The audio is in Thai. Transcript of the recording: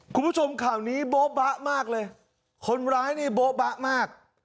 คุณผู้ชมข่าวนี้โบ๊บะมากเลยคนร้ายนี่โบ๊ะบะมาก